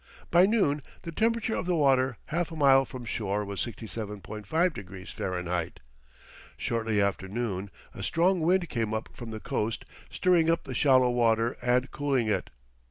By noon the temperature of the water half a mile from shore was 67.5° F. Shortly after noon a strong wind came up from the coast, stirring up the shallow water and cooling it.